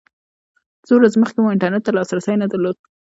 څو ورځې مخکې موږ انټرنېټ ته لاسرسی نه درلود.